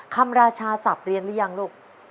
ราชาศัพท์เรียนหรือยังลูก